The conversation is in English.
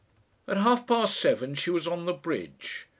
At half past seven she was on the bridge.